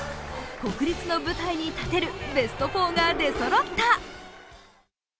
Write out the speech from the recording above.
国立の舞台に立てるベスト４が出そろった。